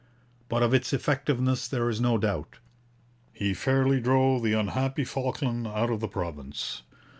But of its effectiveness there is no doubt. He fairly drove the unhappy Falkland out of the province.